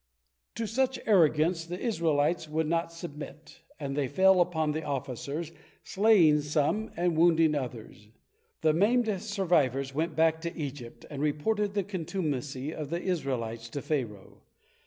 To such arrogance the Israelites would not submit, and they fell upon the officers, slaying some and wounding others. The maimed survivors went back to Egypt, and report the contumacy of the Israelites to Pharaoh.